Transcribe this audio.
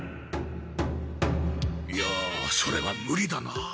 いやそれはムリだな。